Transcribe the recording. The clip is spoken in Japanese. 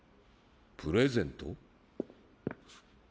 プレゼント？